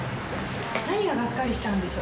何ががっかりしたんでしょう。